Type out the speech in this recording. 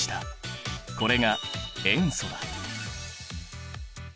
これが塩素だ。